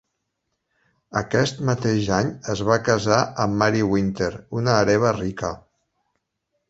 Aquest mateix any es va casar amb Mary Wynter, una hereva rica.